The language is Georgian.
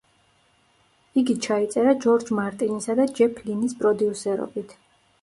იგი ჩაიწერა ჯორჯ მარტინისა და ჯეფ ლინის პროდიუსერობით.